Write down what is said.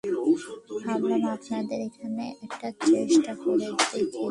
ভাবলাম আপনাদের এখানে একটা চেষ্টা করে দেখি।